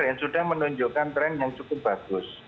yang sudah menunjukkan tren yang cukup bagus